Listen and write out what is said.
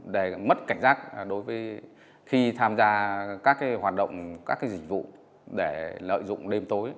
để mất cảnh giác đối với khi tham gia các hoạt động các dịch vụ để lợi dụng đêm tối